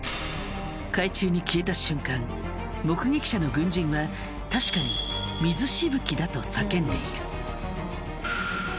海中に消えた瞬間目撃者の軍人は確かにと叫んでいる。